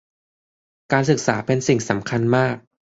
การศึกษาเป็นสิ่งสำคัญมาก